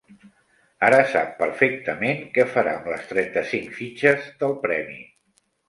Ara sap perfectament què farà amb les trenta-cinc fitxes del premi.